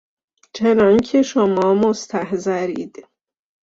چناکه شما مستحضرید...